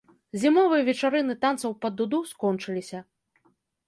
Зімовыя вечарыны танцаў пад дуду скончыліся.